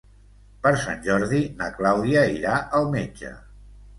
Per Sant Jordi na Clàudia irà al metge.